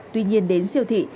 tuy nhiên đến siêu thị